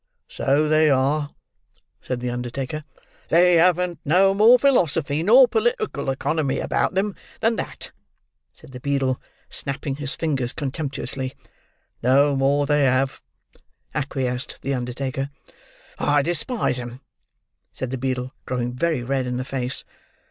"So they are," said the undertaker. "They haven't no more philosophy nor political economy about 'em than that," said the beadle, snapping his fingers contemptuously. "No more they have," acquiesced the undertaker. "I despise 'em," said the beadle, growing very red in the face.